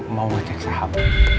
mau ngecek saham